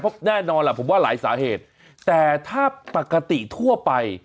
เพราะแน่นอนล่ะผมว่าหลายสาเหตุแต่ถ้าปกติทั่วไป